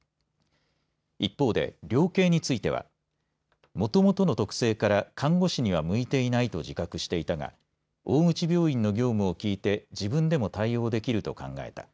一方で、量刑についてはもともとの特性から看護師には向いていないと自覚していたが大口病院の業務を聞いて自分でも対応できると考えた。